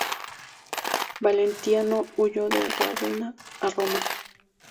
Valentiniano huyó de Rávena a Roma.